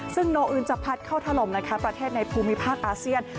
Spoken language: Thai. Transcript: ซึ่งโนอึนจะพัดเข้าถล่มประเทศในภูมิภาคอาเซียน